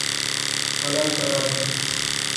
حالات خراب ہوں۔